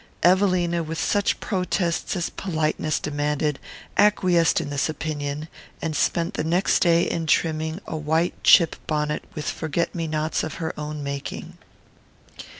Evelina, with such protests as politeness demanded, acquiesced in this opinion, and spent the next day in trimming a white chip bonnet with forget me nots of her own making.